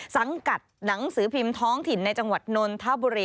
สังกัดหนังสือพิมพ์ท้องถิ่นในจังหวัดนนทบุรี